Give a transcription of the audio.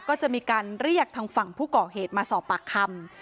ก็จะมีการเรียกทางฝั่งผู้ก่อเหตุมาสอบปากคำ